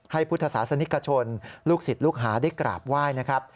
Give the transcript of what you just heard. พุทธศาสนิกชนลูกศิษย์ลูกหาได้กราบไหว้นะครับ